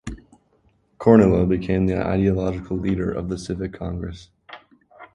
Kornilov became the ideological leader of the Civic Congress.